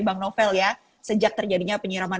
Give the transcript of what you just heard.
bang novel ya sejak terjadinya penyiraman